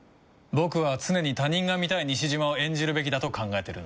僕は常に他人が見たい西島を演じるべきだと考えてるんだ。